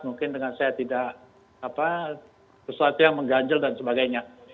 mungkin saya tidak apa sesuatu yang mengganjel dan sebagainya